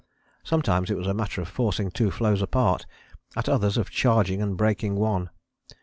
Sometimes it was a matter of forcing two floes apart, at others of charging and breaking one.